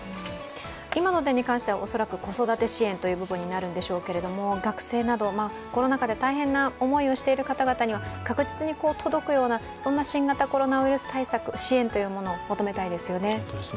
今の点に関しては、恐らく子育て支援という点になるんでしょうけれども、学生など、コロナ禍で大変な思いをしている方々には確実に届くようなそんな新型コロナウイルス対策支援というのを求めたいですよね。